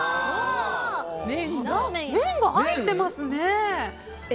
麺が入ってますね。